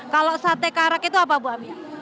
kalau sate karak itu apa bu amia